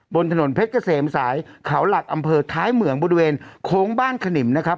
บนถนนเพชรเกษมสายเขาหลักอำเภอท้ายเหมืองบริเวณโค้งบ้านขนิมนะครับ